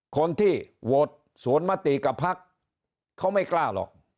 คนที่โหวตสวนมติกับพักเขาไม่กล้าหรอก